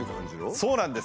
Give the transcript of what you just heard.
そうなんです！